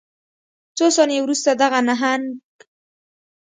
څو ثانیې وروسته دغه نهنګ